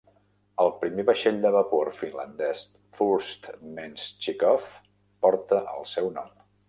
El primer vaixell de vapor finlandès "Furst Menschikoff" porta el seu nom.